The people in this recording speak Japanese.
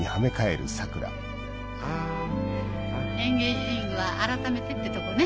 エンゲージリングは改めてってとこね。